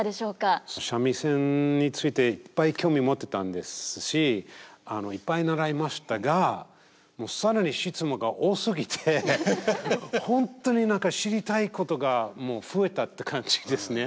三味線についていっぱい興味持ってたんですしいっぱい習いましたが更に質問が多すぎて本当に何か知りたいことがもう増えたって感じですね。